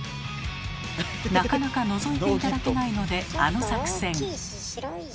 なかなかのぞいて頂けないのであの作戦。